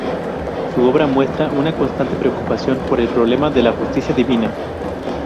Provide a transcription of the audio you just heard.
Su obra muestra una constante preocupación por el problema de la justicia divina.